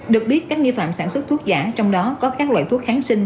được biết các nghi phạm sản xuất thuốc giả trong đó có các loại thuốc kháng sinh